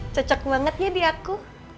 cocok banget ya di aku